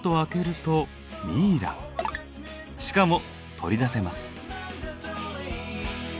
しかも取り出せます。